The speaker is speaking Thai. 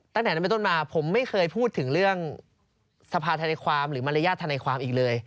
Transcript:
ตั้งแต่นั้นเป็นต้นมาผมไม่เคยพูดถึงเรื่องสภาธนาความหรือมารยาทธนายความอีกเลย